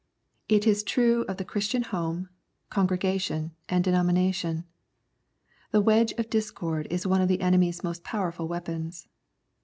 It is true of the Christian home, congregation, and de nomination. The wedge of discord is one of the enemy's most powerful weapons.